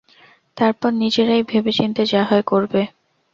তারপর নিজেরাই ভেবে চিন্তে যা হয় করবে।